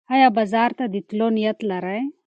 ایا بازار ته د تلو نیت لرې؟